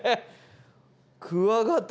クワガタ。